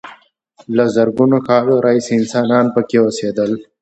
له زرګونو کالونو راهیسې انسانان پکې اوسېدل.